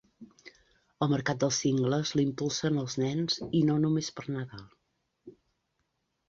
El mercat dels singles l'impulsen els nens, i no només per Nadal.